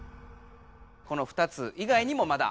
この２つ以外にもまだ。